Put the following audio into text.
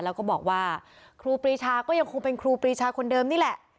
แล้วก็บอกว่าครูปรีชาก็ยังคงเป็นครูปรีชาคนเดิมนี่แหละ